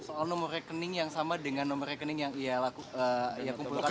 soal nomor rekening yang sama dengan nomor rekening yang ia kumpulkan